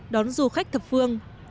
đón du khách thập phương